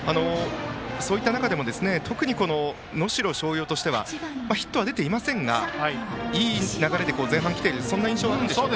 そういった中でも特に能代松陽としてはヒットは出ていませんがいい流れで前半来ているそんな印象はありますか？